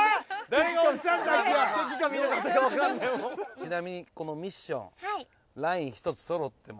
ちなみにこのミッションライン１つそろっても。